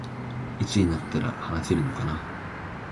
いつになったら話せるのかな